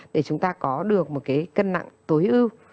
để chúng ta có được một cái cân nặng tối ưu